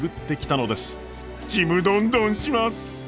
ちむどんどんします！